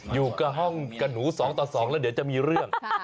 อยู่กับห้องกับหนู๒ต่อ๒แล้วเดี๋ยวจะมีเรื่อง